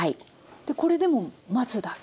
でこれでもう待つだけ？